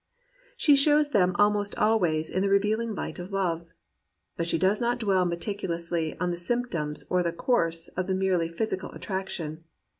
She shows them almost always in the revealing light of love. But she does not dwell meticulously on the symptoms or the course of the merely phys ical attraction.